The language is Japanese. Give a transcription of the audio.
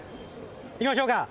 いきましょうか。